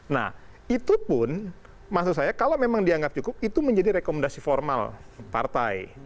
nah itu pun maksud saya kalau memang dianggap cukup itu menjadi rekomendasi formal partai